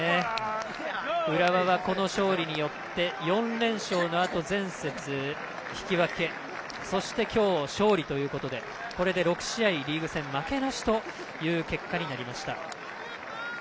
浦和はこの勝利によって４連勝のあと前節は引き分けそして今日の勝利ということでこれで６試合リーグ戦負けなしという結果になりました。